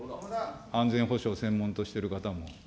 安全保障専門としている方も。